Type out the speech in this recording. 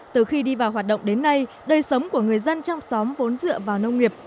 từ khi đi vào hoạt động đến nay đời sống của người dân trong xóm vốn dựa vào nông nghiệp